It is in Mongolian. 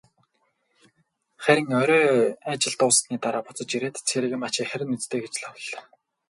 Харин орой ажил дууссаны дараа буцаж ирээд, "Цэрэгмаа чи харина биз дээ" гэж лавлалаа.